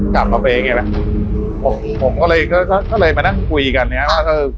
กลับมาไปเกี่ยวไหมผมก็เลยก็เลยมานั่งคุยกันเนี้ยค่ะ